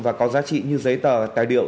và có giá trị như giấy tờ tài điệu